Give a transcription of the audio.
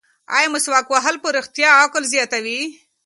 ایا مسواک وهل په رښتیا عقل زیاتوي؟